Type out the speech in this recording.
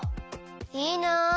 いいな！